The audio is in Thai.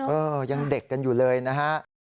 เออยังเด็กกันอยู่เลยนะฮะ